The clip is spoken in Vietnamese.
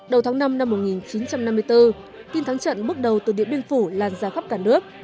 đầu tháng năm năm một nghìn chín trăm năm mươi bốn tin thắng trận bước đầu từ điện biên phủ lan ra khắp cả nước